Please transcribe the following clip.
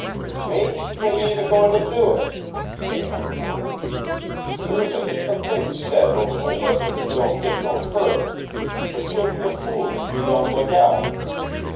"Maybe they ain't a goin' to do it," said Mother Borton. "There's a heap o' things said over the liquor that don't git no further, but you'll be a fool if you don't look out.